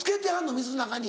水の中に。